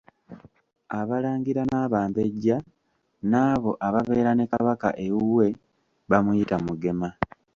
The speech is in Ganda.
Abalangira n'Abambejja n'abo ababeera ne Kabaka ewuwe bamuyita Mugema.